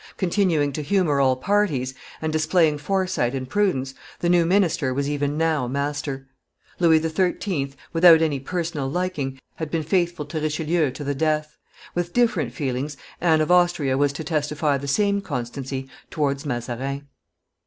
Continuing to humor all parties, and displaying foresight and prudence, the new minister was even now master. Louis XIII., without any personal liking, had been faithful to Richelieu to the death; with different feelings, Anne of Austria was to testify the same constancy towards Mazarin.